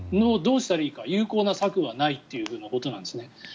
どうしたらいいか有効な策はないということなんですよね。